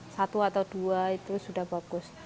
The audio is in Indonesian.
satu atau dua itu sudah bagus